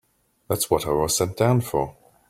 That's what I was sent down for.